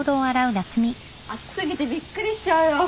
暑過ぎてびっくりしちゃうよ。